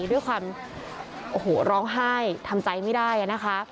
ด้วยความโอ้โหร้องไห้ทำใจไม่ได้นะคะ